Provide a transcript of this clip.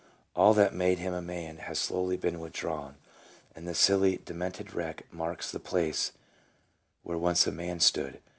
All that made him a man has slowly been withdrawn, and the silly, demented wreck marks the place where once a man stood.